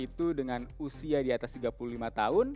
kemudian dengan comorbid disease diabetes dan kondisi yang sangat tinggi